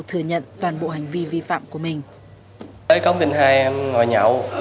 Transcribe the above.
thừa nhận toàn bộ hành vi vi phạm của mình